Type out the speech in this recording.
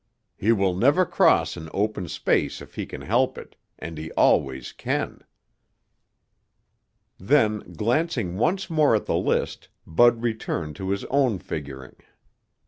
He will never cross an open space if he can help it, and he always can. Then glancing once more at the list, Bud returned to his own figuring.